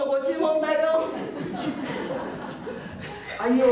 「あいよ」。